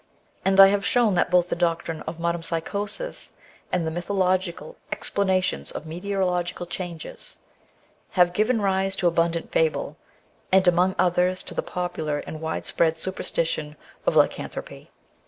And I have shown that both the doctrine of metempsychosis and the mythological ex planations of meteorological changes have given rise to 12—2 180 THE BOOK OF WERE WOLVES. abundant fable, and among others to the popular and wide spread superstition of lycanthropy.